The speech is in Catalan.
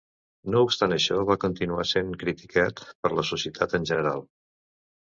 No obstant això, va continuar sent criticat per la societat en general.